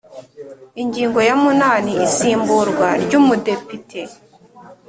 Ingingo ya munani Isimburwa ry’Umudepite